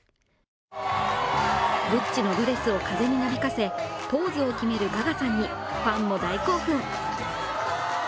グッチのドレスを風になびかせポーズを決めるガガさんにファンも大興奮。